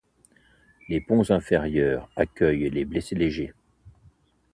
Les ponts inférieurs accueillent les blessés légers.